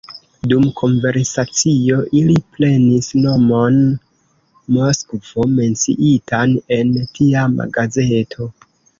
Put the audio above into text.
Dum konversacio ili prenis nomon Moskvo, menciitan en tiama gazeto.